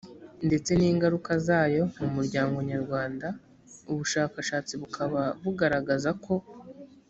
ndetse n ingaruka zayo mu muryango nyarwanda ubushakashatsi bukaba bugaragaza ko